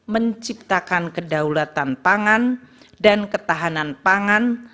menciptakan kedaulatan pangan dan ketahanan pangan